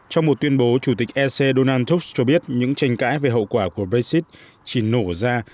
trong một tuyên bố chủ tịch e c donald tusker cho biết những tranh cãi về hậu quả của brexit chỉ nổ ra